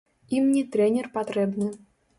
Ім не трэнер патрэбны.